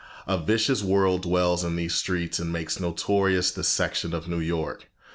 " A vicious world dwells in these streets and makes notorious this section of New York.